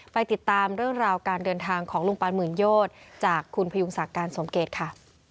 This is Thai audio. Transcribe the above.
ไปติดตามเรื่องราวการเดินทางของลุงปานหมื่นโยชน์จากคุณพยุงศักดิ์การสมเกตค่ะ